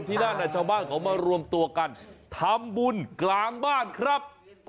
ที่นั่นชาวบ้านเขามารวมตัวกันทำบุญกลางบ้านครับ